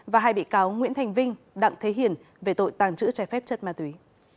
và hai bị cáo nguyễn thành vinh đặng thế hiển về tội tàng trữ trái phép chất ma túy